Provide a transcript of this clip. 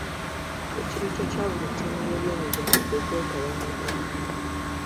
Ekirooto kya buli ttiimu y'ebyemizannyo kwe kwetaba mu mpaka.